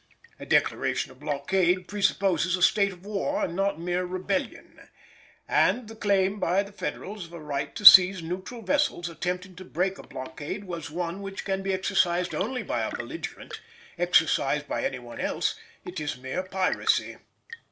A declaration of blockade presupposes a state of war and not mere rebellion, and the claim by the Federals of a right to seize neutral vessels attempting to break a blockade was one which can be exercised only by a belligerent; exercised by any one else it is mere piracy.